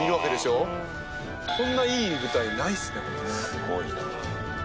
すごいなあ。